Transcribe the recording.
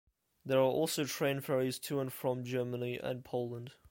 There are also train ferries to and from Germany and Poland.